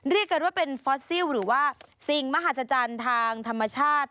เรียกกันว่าเป็นฟอสซิลหรือว่าสิ่งมหัศจรรย์ทางธรรมชาติ